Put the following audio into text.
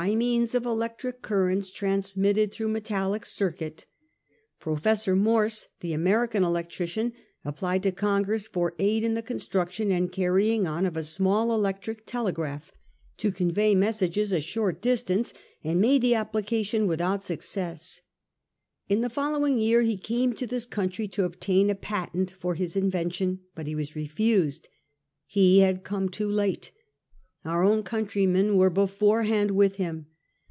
85 means of electric currents transmitted thr ough me tallic circuit,' Professor Morse, the American electri cian, applied to Congress for aid in the construction and carrying on of a small electric telegraph to con vey messages a short distance, and made the applica tion without success. In the following year he came to this country to obtain a patent for his invention ; but he was refused. He had come too late. Our own countrymen were beforehand with him.